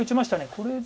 これで。